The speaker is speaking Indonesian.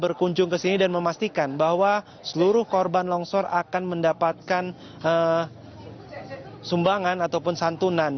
berkunjung ke sini dan memastikan bahwa seluruh korban longsor akan mendapatkan sumbangan ataupun santunan